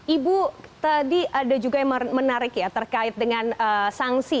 ibu tadi ada juga yang menarik ya terkait dengan sanksi